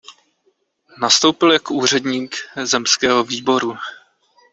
Nastoupil jako úředník zemského výboru.